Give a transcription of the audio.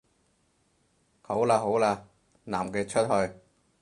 好喇好喇，男嘅出去